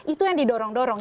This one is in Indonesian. itu yang didorong dorong